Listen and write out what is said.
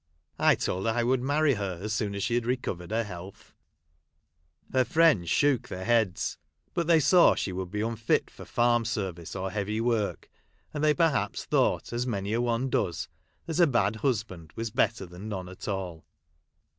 I told her I would marry her as soon as she had recovered her health^ Her friends shook their heads ; but they saw she Avould be unfit for farm service or heaA^y work, and they perhaps thought, as many a one does, that a bad husband Avas better than none at all.